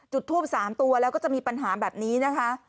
จุดทูป๓ตัวแล้วก็จะมีปัญหาแบบนี้นะคะ